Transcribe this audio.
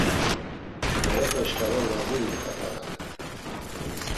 Berepe şkala Lazuri ixap̌arare.